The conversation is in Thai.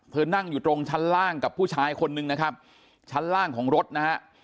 นั่งอยู่ตรงชั้นล่างกับผู้ชายคนนึงนะครับชั้นล่างของรถนะฮะ